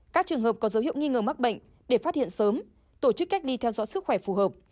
các trường hợp có dấu hiệu nghi ngờ mắc bệnh để phát hiện sớm tổ chức cách ly theo dõi sức khỏe phù hợp